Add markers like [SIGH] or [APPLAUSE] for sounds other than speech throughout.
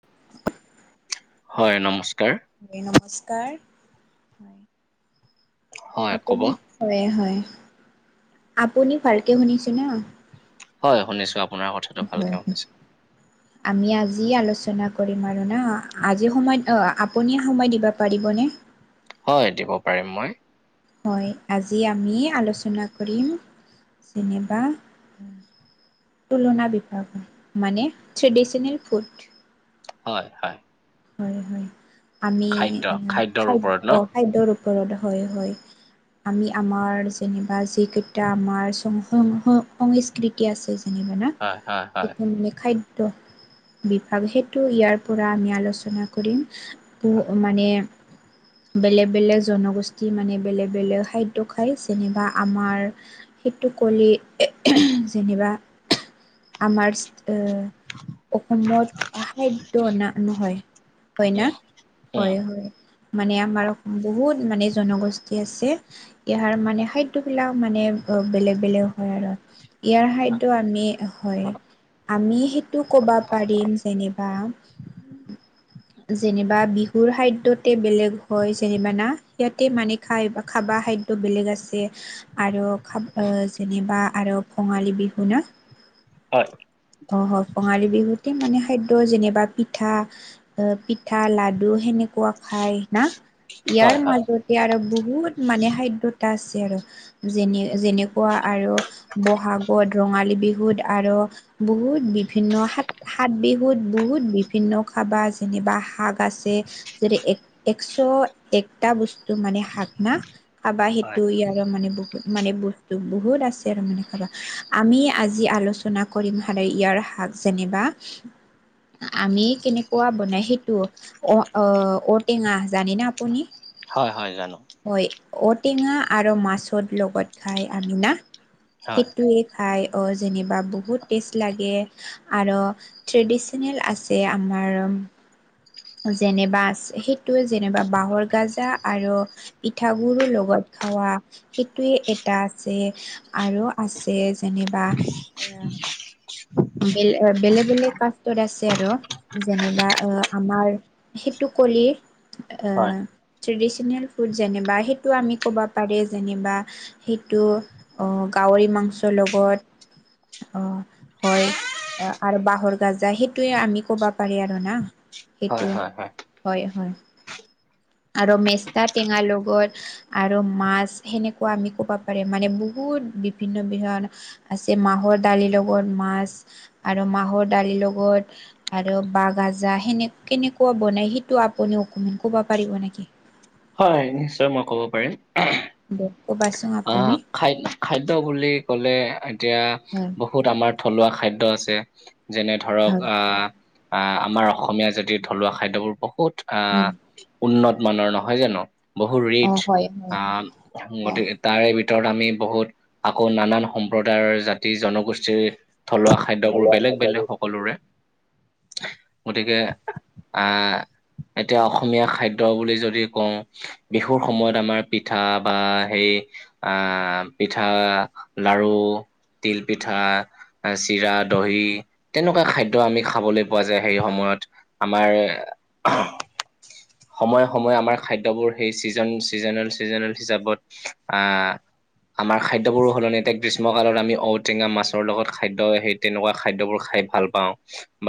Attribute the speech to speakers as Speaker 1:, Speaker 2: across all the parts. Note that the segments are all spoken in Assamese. Speaker 1: [INAUDIBLE]
Speaker 2: হয়, নমস্কাৰ।
Speaker 1: নমস্কাৰ। হয়।
Speaker 2: হয় ক'ব।
Speaker 1: আপুনি হয়, হয় আপুনি ভালকে শুনিছে না।
Speaker 2: হয়, শুনিছো।
Speaker 1: হয় হয়। আমি আজি আলোচনা কৰিম আৰু না, আজি সময়ত আপুনিয়ে সময় দিব পাৰিবনে।
Speaker 2: হয় দিব পাৰিম মই।
Speaker 1: হয়, আজি আমি আলোচনা কৰিম যেনিবা তুলনা বিভাগৰ মানে ট্ৰেডিচনেল ফুড।
Speaker 2: হয় হয়।
Speaker 1: হয় হয়, আমি
Speaker 2: খাদ্য খাদ্যৰ
Speaker 1: খাদ
Speaker 2: ওপৰত ন?
Speaker 1: অ খাদ্যৰ ওপৰত হয় হয়। আমি আমাৰ যেনিবা যিকেইটা আমাৰ সং সংস্কৃতি আছে যেনিবা না।
Speaker 2: হয় হয় হয়,
Speaker 1: সেইটো মানে খাদ্য বিভাগ সেইটো ইয়াৰ পৰা আমি আলোচ না কৰিম, মানে বেলেগ বেলেগ জনগোষ্ঠী মানে বেলেগ বেলেগ খাদ্য খায়, যেনিবা আমাৰ সেইটো কৰি যেনিবা আমাৰ অ অসমত খাদ্য নহয়।
Speaker 2: [INAUDIBLE]
Speaker 1: হয় না
Speaker 2: উম।
Speaker 1: হয় হয় মানে আমাৰ অসমত বহুত মানে জনগোষ্ঠী আছে। ইয়াৰ মানে খাদ্যবিলাক মানে। অ বেলেগ বেলেগ হয় আৰু ইয়াৰ খাদ্য আমি হয়। আমি সেইটো ক'বা পাৰিম যেনিবা। যেনিবা বিহুৰ খাদ্যতে বেলেগ হয় যেনিবা না। সিয়াতে মানে খাই খাবা খাই টো বেলেগ আছে আৰু খাপ অ যেনিবা আৰু কঙালী বিহু ন।
Speaker 2: হয়।
Speaker 1: অহ, কঙালী বিহুতে মানে খাদ্য যেনিবা পিঠা। আহ পিঠা লাডু সেনেকুৱা খাই না। ইয়াৰ
Speaker 2: হয় হয়
Speaker 1: মাজত। আৰু বহুত মানে খাদ্যত আছে আৰু যেনে যেনেকুৱা আৰু। বহাগত ৰঙালী- বিহুত আৰ বহুত বিভিন্ন সাত, সাত বিহুত বহুত বিভিন্ন খাবাচ যেনিবা শাক আছে যদি এশ একটা বস। টো মানে শাক না। খাবা
Speaker 2: হয়
Speaker 1: সেইটো ইয়াৰে মানে ব মানে বস্তু বহুত আছে। আৰু মানে খাবা আমি আজি আলোচনা কৰিম হদাই ইয়াৰ শাক। যেনিবা আমি কেনেকুৱা। বনাই সেইটো অ, অ ঔটেঙা জানে না আপুনি।
Speaker 2: হয়, হয় জানো।
Speaker 1: হয়, ঔটেঙা আৰু মাছৰ লগত খাই আমি না
Speaker 2: হয়
Speaker 1: সেইটোৱে। খাই অ, যেনিবা বহুত টেষ্ট লাগে আৰ ট্ৰেডিচেনেল আছে আমাৰ ৰম যেনেবা আছ সেইটোৱে যেনবা বাঁহৰ গাজা আৰু। পিঠা গুৰু লগত খাৱা সেইটোৱে এটা আছে। আৰু আছে যেনেবা। উম, [UNINTELLIGIBLE] বেলে বেলেগ বেলেগ কাষ্টত আছে আৰু যেনিবা আহ আমাৰ। সেইটো কলি
Speaker 2: হয়।
Speaker 1: আহ। ট্ৰেডিচেনেল ফুড যেনেবা সেইটো আমি ক'বা পাৰি যেনেবা। সেইটো অহ গাহৰি মাংছৰ লগত অহ। হয় আৰু বাঁহৰ গাজা সেইটোয়ে আমি ক'বা পাৰি আৰু না।
Speaker 2: হয়
Speaker 1: সেইটো
Speaker 2: হয় হয়,
Speaker 1: হয়, হয় আৰু মেচা টেঙাৰ লগত। আৰু মাছ সেনেকুৱা আমি কব পাৰি। মানে বহুত বিভিন্ন, বিভিন মানে আছে। মাহৰ দালিৰ লগত মাছ আৰু মাহৰ দালিৰ লগত। আৰু বাঁগাজা সেনে কেনেকুৱা বনায় সেইটো আপুনিও অ ক'ব পাৰিব নেকি?
Speaker 2: হয় নিশ্চয় মই ক'ব পাৰিম।
Speaker 1: দে [UNINTELLIGIBLE]
Speaker 2: আহ
Speaker 1: আপুনি
Speaker 2: খাদ খাদ্য বুলি কলে এতিয়া
Speaker 1: উম।
Speaker 2: বহুত আমাৰ থলুৱা খাদ্য আছে যেনে ধৰক
Speaker 1: ভাল
Speaker 2: আহ আহ, আমাৰ অসমীয়া জাতিৰ থলুৱা খাদ্যবোৰ বহুত
Speaker 1: উম
Speaker 2: আহ। উন্নত মানৰ নহয় জানো বহু
Speaker 1: অ
Speaker 2: ৰিচ
Speaker 1: হয় হয়
Speaker 2: আহ
Speaker 1: অ
Speaker 2: গতিকে তাৰে ভিতৰত আমি বহুত আকৌ নানান সম্প্ৰদায়ৰ জাতি জনগোষ্ঠীৰ থলুৱা খাদ্যবোৰ বেলেগ বেলেগ সকলোৰে। গতিকে আহ এতিয়া অসমীয়া খাইদ দ্য বুলি যদি কওঁ বিহুৰ সময়ত আমাৰ পিঠা বা সেই আহ পিঠা লাৰু, তিল পিঠা আ চিৰা, দহি তেনেকুৱা খাদ্য আমি খাবলৈ পোৱা যায়, সেই সময়ত আমাৰ সময়ে সময়ে আমাৰ খাদ্যবোৰ সেই ছিজন চিজননেল ছিজননেল হিচাপত আহ আমাৰ খাদ্যবোৰো সলনি এতিয়া গ্ৰীষ্মকালত আমি ঔটেঙা মাছৰ লগত খাদ্য সে তেনেকুৱা খাদ্যবোৰ খাই ভাল পাওঁ।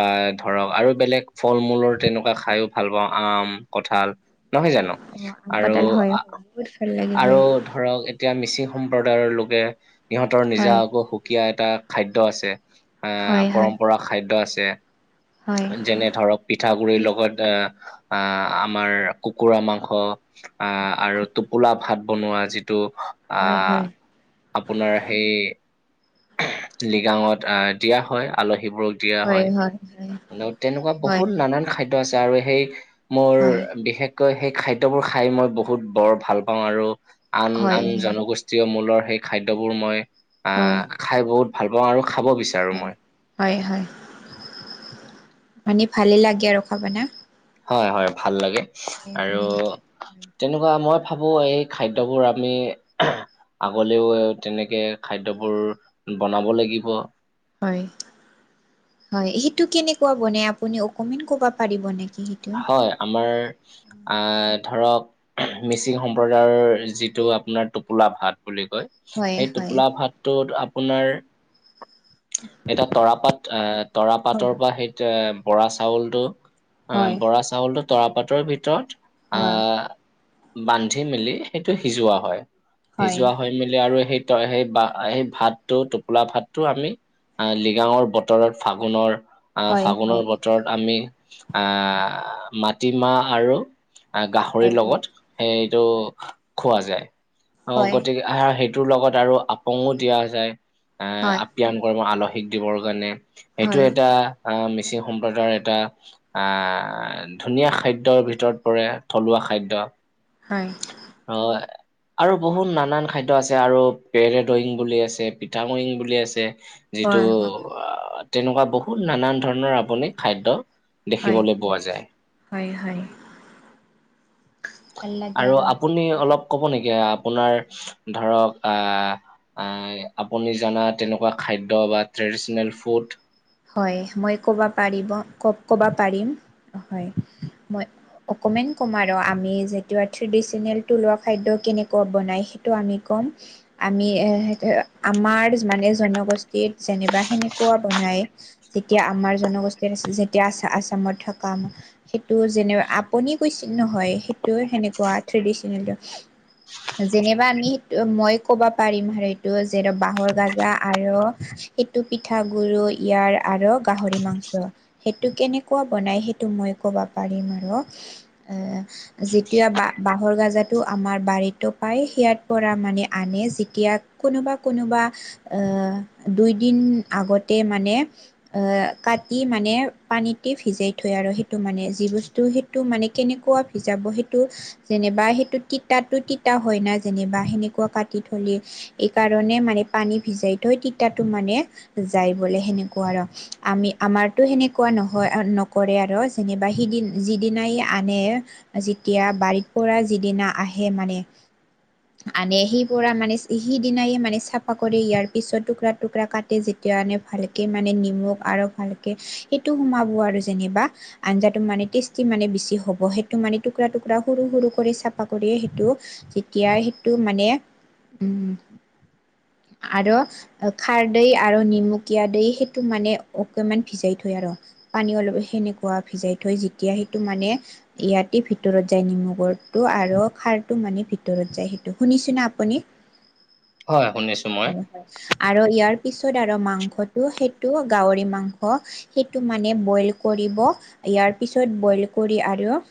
Speaker 2: বা ধৰক আৰু বেলেগ ফল-মূলৰ তেনেকুৱা খাইও ভাল পাওঁ আম কঠাল নহয় জানো?
Speaker 1: অ আম
Speaker 2: আৰু
Speaker 1: কঁঠাল হয়
Speaker 2: আ
Speaker 1: হয়
Speaker 2: অ
Speaker 1: বহুত ভাল লাগে হয়।
Speaker 2: ধৰক এতিয়া মিচিং সম্প্ৰদায়ৰ লোকে সিহঁতৰ
Speaker 1: হয়
Speaker 2: নিজা আকৌ সুক সুকীয়া এটা খাদ্য আছে,
Speaker 1: হয়
Speaker 2: আহ
Speaker 1: হয়
Speaker 2: পৰম্পৰা খাদ্য আছে।
Speaker 1: হয়
Speaker 2: যেনে ধৰক পিঠা গুৰিৰ
Speaker 1: কি
Speaker 2: লগত এ আ আমাৰ কুকুৰা মাংস আহ, আৰু তোপ পোলা ভাত বনোৱা যিটো,
Speaker 1: হয়
Speaker 2: আহ
Speaker 1: হয়
Speaker 2: আপোনাৰ সেই লিগাঙত আহ দিয়া হয় আলহীবোৰক দিয়া হয়, এনও তেনেকুৱা
Speaker 1: হয় হয়
Speaker 2: বহুত নানান খাদ্য আছে আৰু সেই মোৰ
Speaker 1: হয়
Speaker 2: বিশেষকৈ সেই খাদ্যবোৰ খাই মই বহুত বৰ ভাল পাওঁ আৰু আন
Speaker 1: হয় হয়
Speaker 2: আন জনগোষ্ঠীয় মূলৰ সেই খাদ্যবোৰ মই আহ খাই বহুত ভাল পাওঁ আৰু খাব বিচ
Speaker 1: হয় হয় হয়, মানে ভালেই লাগে আৰু খাবনা।
Speaker 2: হয় হয় ভাল লাগে আৰু তেনেকুৱা মই ভাবো এই খাদ্যবোৰ আমি আগলেও তেনেকে খাদ্যবোৰ বনাব লাগিব।
Speaker 1: হয় হয় সেইটো কেনেকুৱা বনে আপুনি অকমান ক'ব পাৰিব নেকি? সেইটো
Speaker 2: হয় আমাৰ ধৰক মিচিং সম্প্ৰদায়ৰ যিটো আপোনাৰ টোপোলা ভাত বুলি কয়।
Speaker 1: হয়
Speaker 2: সেই
Speaker 1: হয়
Speaker 2: টোপোলা ভাতটোত আপোনাৰ এটা তৰাপাত এহ তৰা
Speaker 1: হয়
Speaker 2: পাতৰ পা সেইটেম বৰা চাউলটো। আহ
Speaker 1: হয়
Speaker 2: বৰা চাউলটো তৰাপাতৰ ভিতৰত
Speaker 1: হয়
Speaker 2: আহ বান্ধি মেলি সেইটো সিজোৱা হয়। সিজোৱা হয় মিলি আৰু সেই সেই বা সেই ভাতটো টোপোলা ভাতটো আমি আহ লিগাঙৰ বতৰত ফাগুনৰ আহ
Speaker 1: হয় হয়
Speaker 2: ফাগুনৰ বতৰত আমি আহ মাটিমাহ আৰু
Speaker 1: হয়
Speaker 2: গাহৰিৰ
Speaker 1: হয়
Speaker 2: লগত সেটো খোৱা যায় অহ
Speaker 1: হয় হয়
Speaker 2: গতিকে আহ সেইটোৰ লগত আৰু আপং দিয়া যায়। এ
Speaker 1: হয়
Speaker 2: আপ্যাঙ গৰমত আলহীক দিবৰ কাৰণে
Speaker 1: হয় হয়
Speaker 2: সেইটো এটা আহ মিচিং সম্প্ৰদায়ৰ এটা আ ধুনীয়া খাদ্যৰ ভিতৰত পৰে থলুৱা খাদ্য।
Speaker 1: হয়।
Speaker 2: হয়। আৰু বহুত নানান খাদ্য আছে আৰু পেৰে দয়িং বুলি আছে পিঠাময়িং বুলি আছে। যিটো
Speaker 1: হয় হয়
Speaker 2: আ তেনেকুৱা বহুত নানান ধৰণৰ আপুনি খাদ্য
Speaker 1: হয়
Speaker 2: দেখিবলৈ পোৱা যায়।
Speaker 1: হয় হয়। ভাল লাগে
Speaker 2: আৰু আপুনি অলপ কব নেকি? আপোনাৰ ধৰক আহ আই আপুনি জানা তেনেকুৱা খাদ্য বা ট্ৰেডিচনেল ফুড।
Speaker 1: হয় মই ক'ব পাৰিব ক'ব পাৰিম হয় মই। অকমেন ক'ম আৰ আমি যেতিয়া ট্ৰেডিচ্যনেল থলুৱা খাদ্য কেনেকুৱা বনাই, সেইটো আমি ক'ম। আমি আমাৰ মানে জনগোষ্ঠীত যেনিবা সেনেকুৱা বনায়। এতিয়া আমাৰ জনগোষ্ঠীৰ আছে যেতিয়া আ-আছামত থকা [UNINTELLIGIBLE] সেইটো যেনিবা আপুনি কৈছে নহয়, সেইটো সেনেকুৱা ট্ৰেডিচ্যনেলটো। [INAUDIBLE] যেনিবা আমি সেই মই ক'বা পাৰিম আৰু সেইটো যে বাঁহৰ গাজা আৰু, সেইটো পিঠাগুড়িও ইয়াৰ আৰু গাহৰি মাংস। সেইটো কেনেকুৱা বনাই সেইটো মই ক'বা পাৰিম আৰ। যেতিয়া বা-বাঁহৰ গাজাটো আমাৰ বাৰীতো পায়। সিয়াৰ পৰা মানে আনে যেতিয়া, কোনোবা কোনোবা এ দুইদিন আগতে মানে অহ, কাটি মানে পানীতে ভিজাই থৈ আৰু সেইটো মানে যি বস্তু সেই সেইটো মানে কেনেকুৱা ভিজাব সেইটো। যেনিবা সেইটো তিতাতো তিতা হয় ন, যেনিবা সেনেকুৱা কাটি থলে। এইকাৰণে মানে পানী ভিজাই থয়, তিতাতো মানে যায়। [UNINTELLIGIBLE] সেনেকুৱা আৰ আমি আমাৰতো সেনেকুৱা নহয় নকৰে আৰু যেনিবা সিদিন যিদিনাই আনে, যেতিয়া বাৰীৰ পৰা যিদিনা আহে মানে। [INAUDIBLE] আনে সেই পৰা মানে সিদিনায়ে মানে চাফা কৰি ইয়াৰ পিছত টুকৰা টুকৰা কাটে যেতিয়া আনে। ভালকে মানে নিমখ আৰু ভালকে সেইটো সোমাব আৰু যেনিবা। আঞ্জাটো মানে টেষ্টি মানে বেছি হ'ব সেইটো মানে টুকৰা টুকৰা সৰু সৰু কৰি চাফা কৰিয়ে সেইটো তেতিয়া সেইটো মানে, উম। আৰ খাৰ, দৈ আৰু নিমুখ, কীয়া দেই সেইটো মানে অকমান ভিজাই থয় আৰ। পানী অলপ সেনেকুৱা ভিজাই থৈ যেতিয়া সেইটো মানে ইয়াতে ভিতৰত যায় নেমুগৰটো আৰু খাৰটো মানে ভিতৰত যায়, সেইটো শুনিছে নে আপুনি? [INAUDIBLE]
Speaker 2: হয়, শুনিছো মই।
Speaker 1: আৰু ইয়াৰ পিছত আৰু মাংসটো সেইটো গাহৰি মাংস। সেইটো মানে বইল কৰিব ইয়াৰ পিছত বইল কৰি আৰু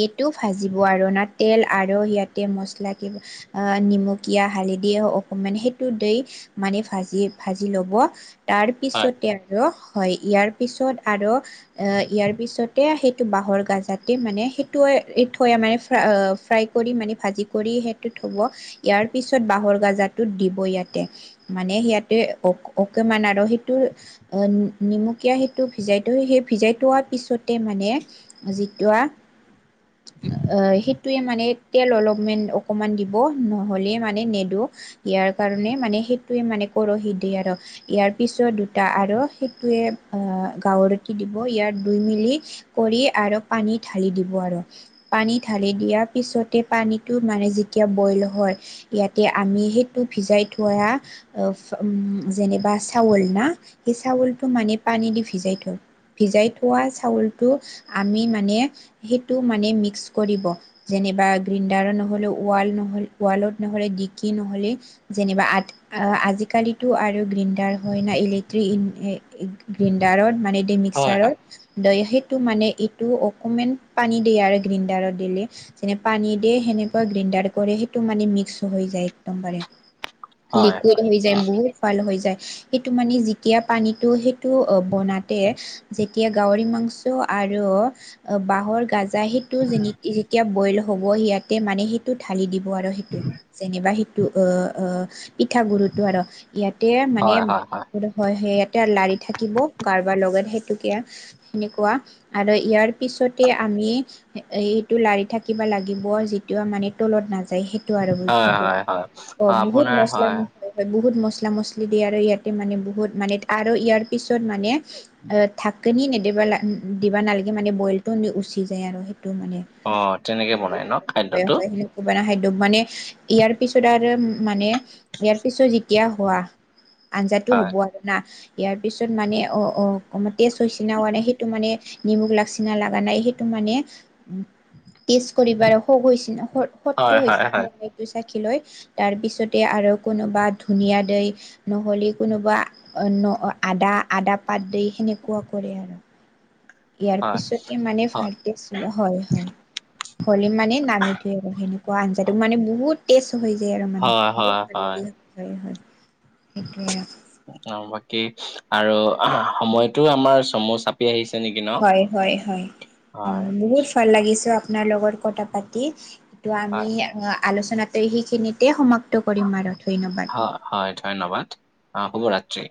Speaker 1: এইটো ভাজিব আৰু না তেল আৰু সিয়াতে মছলা কিবা নিমকীয়া, হালেধি অকমেন সেইটো দি মানে ভাজি ভাজি ল'ব, তাৰ
Speaker 2: হয়
Speaker 1: পিছতে আৰু হয় ইয়াৰ পিছত আৰ এ ইয়াৰ পিছতে সেইটো বাঁহৰ গাজাতে মানে সেইটোৱে থৈ মানে ফ্ৰাই কৰি মানে ভাজি কৰি সেইটো থব ইয়াৰ পিছত বাঁহৰ গাজাটো দিব ইয়াতে। মানে সিয়াতে অ' অকেমান আৰু সেইটো অ' নিমকীয়া সেইটো ভিজাই থৈ সেই ভিজাই থোৱাৰ পিছত তে মানে ভাজিটোৱা সেইটোৱে মানে তেল অলেপমান অকমান দিব, নহ'লে মানে নেদো। ইয়াৰ কাৰণে মানে সেইটোৱে মানে কৰহি দিয়ে আৰ। ইয়াৰ পিছত দুটা আৰু সেইটোৱে আহ' গাহৰিটো দিব, ইয়াত দুই মিলি কৰি আৰু পানী ঢালি দিব আৰ। পানী ঢালি দিয়াৰ পিছতে পানীটো মানে যেতিয়া বইল হয়। ইয়াতে আমি সেইটো ভিজাই থইৱা যেনেবা চাউল না সেই চাউলটো মানে পানী দি ভিজাই থয়। ভিজাই থোৱা চাউলটো আমি মানে সেইটো মানে মিক্স কৰিব। যেনিবা গ্ৰিণ্ডাৰত নহলে ৱাল নহ ৱালত নহ'লে দিকি নহ'লে যেনেবা আঠ আজিকালিতো আৰু গ্ৰিণ্ডাৰ হয় না ইলেক্ট্ৰিক এ গ্ৰিণ্ডাৰত মানে এ
Speaker 2: হয় হয়।
Speaker 1: মিক্সাৰত দ সেইটো মানে এইটো অকমান পানী দিয়ে আৰু গ্ৰিণ্ডাৰত দিলে। যেনে পানী দিয়ে সেনেকুৱা গ্ৰেণ্ডাৰ কৰে সেইটো মানে মিক্স হৈ যায় একদমবাৰে।
Speaker 2: হয়
Speaker 1: লিকুইড হৈ যায় বহুত। পাল হৈ যায় সেইটো মানে যেতিয়া পানীটো সেইটো বনাতে যেতিয়া গাহৰি মাংস আৰু বাঁহৰ গাজা সেইটো যে যেতিয়া বইল হ'ব ইয়াতে মানে সেইটো ঢালি দি আৰু সেইটো যেনিবা সেইটো আহ আহ পিঠাগুৰুটো আৰু। ইয়াতে মানে
Speaker 2: হয় হয়
Speaker 1: হয় স ইয়াতে লাৰি থাকিব কাৰোবাৰ লগত সেইটোকে সেনেকুৱা আৰু ইয়াৰ পিছতে আমি এইটো লাৰি থাকিবা লাগিব যিটো মানে তলত নাযায় সেই টো আৰু
Speaker 2: হয়
Speaker 1: বস্তুটো
Speaker 2: হয় হয়
Speaker 1: অ বহুত
Speaker 2: আপোনাৰ
Speaker 1: মস হয় হয় বহুত মছলা মছলি দিয়ে আৰু ইয়াতে মানে বহুত মানে আৰু ইয়াৰ পিছত মানে ঢাকনি নেদিবা ল দিবা নালাগে মানে বইলটো উচি যায় আৰু সেইটো মানে।
Speaker 2: অ তেনেকে
Speaker 1: ভাল
Speaker 2: বনাই ন
Speaker 1: হয়
Speaker 2: খাদ্যটো
Speaker 1: হয় কব না খাদ্য মানে ইয়াৰ পিছত আৰু মানে ইয়াৰ পিছত যেতিয়া হোৱা, আঞ্জাটো
Speaker 2: হয়
Speaker 1: হ'ব আৰু না ইয়াৰ পিছত মানে অ অ টেষ্ট হৈছে না হোৱা নাই সেইটো মানে নিমখ লাগছি না লাগা নাই সেইটো মানে টেষ্ট কৰিব আৰু [INAUDIBLE] হোৱাটো
Speaker 2: হয়
Speaker 1: হৈছে
Speaker 2: হয় হয় হয়
Speaker 1: এইটো চাকি লৈ তাৰপিছতে আৰু কোনোবা ধুনীয়া দই নহ'লে কোনোবা আদা আদা পাত দি সেনেকুৱা কৰে আৰু। ইয়াৰ পিছতে ইমানে
Speaker 2: হয়।
Speaker 1: ভালকেছিল হয় হয়। হলি মানে নামি থোৱে আৰু সেনেকুৱা আঞ্জাটো, মানে বহুত টেষ্ট হৈ যায় আৰু মানে,
Speaker 2: হয়, হয়,
Speaker 1: [INAUDIBLE]
Speaker 2: হয়।
Speaker 1: সেইটোৱে আৰু।
Speaker 2: অ বাকী আৰু সময়টো আমাৰ চমু চাপ আহিছে নেকি ন
Speaker 1: হয় হয় হয়
Speaker 2: হয়,
Speaker 1: বহুত ভাল লাগিছো আপোনাৰ লগত কথা পাতি, টো আমি
Speaker 2: হয়,
Speaker 1: আলোচনাত এই সেইখিনিতে সমাপ্ত কৰিম আৰু ধন্যবাদ।
Speaker 2: অহ হয় ধন্যবাদ অ শুভৰাত্ৰি।